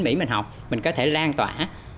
mỹ mình học mình có thể lan tỏa